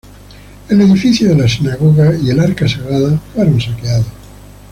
El edificio de la sinagoga y el arca sagrada fueron saqueados.